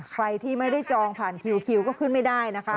ใครที่ไม่ได้จองผ่านคิวก็ขึ้นไม่ได้นะคะ